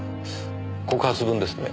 告発文ですね。